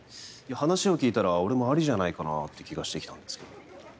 話を聞いたら俺もありじゃないかなって気がしてきたんですけど。